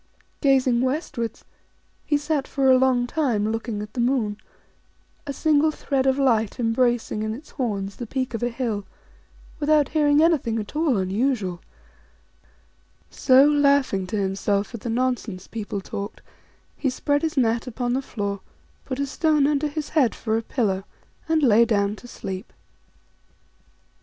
Gazing westwards, he sat for a long time looking at the moon a single thread of light embracing in its horns the peak of a hill without hearing anything at all unusual ; so, laughing to himself at the nonsense people talked, he spread his mat upon the floor, put a stone under his head for a pillow, and lay clown to sleep.